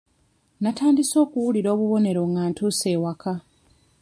Natandise okuwulira obubonero nga ntuuse ewaka.